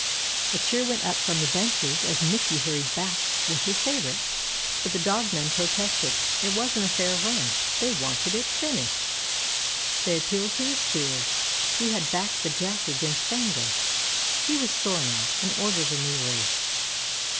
A cheer went up from the benches as Mickey hurried back with his favorite. But the dog men protested "it wasn't a fair run they wanted it finished." They appealed to the Steward. He had backed the Jack against Fango. He was sore now, and ordered a new race.